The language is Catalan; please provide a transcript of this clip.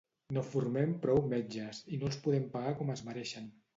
No formem prou metges i no els podem pagar com es mereixen.